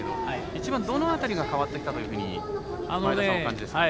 一番どのあたりが変わってきたというふうにお感じですか？